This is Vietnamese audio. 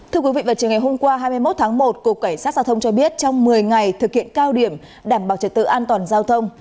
thưa quý vị vào chiều ngày hôm qua hai mươi một tháng một cục cảnh sát giao thông cho biết trong một mươi ngày thực hiện cao điểm đảm bảo trật tự an toàn giao thông